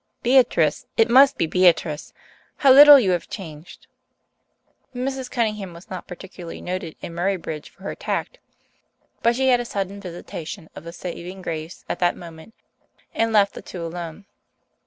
"Beatrice! It must be Beatrice! How little you have changed!" Mrs. Cunningham was not particularly noted in Murraybridge for her tact, but she had a sudden visitation of the saving grace at that moment, and left the two alone.